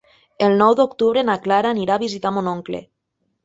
El nou d'octubre na Clara anirà a visitar mon oncle.